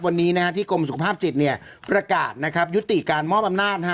วันนี้ที่กรมสุขภาพจิตประกาศยุติการมอบอำนาจ